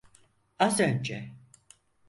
Az önce.